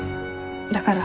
だから。